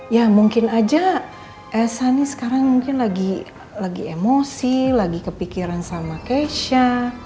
ya mungkin aja sani sekarang mungkin lagi emosi lagi kepikiran sama keisha